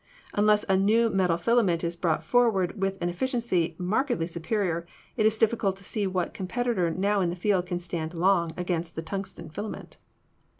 Unless a new metal filament is brought for ward with an efficiency markedly superior, it is difficult to see what competitor now in the field can stand long against the tungsten filament."